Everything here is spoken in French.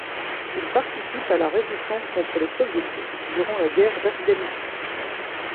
Il participe à la résistance contre les Soviétiques durant la guerre d'Afghanistan.